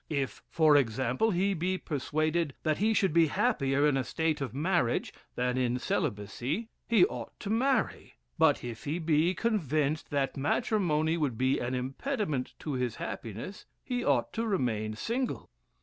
If, for example, he be persuaded that he should be happier in a state of marriage than in celibacy, he ought to marry; but if he be convinced that matrimony would be an impediment to his happiness, he ought to remain single.